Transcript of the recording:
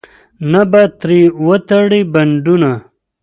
نه به ترې وتړې پنډونه.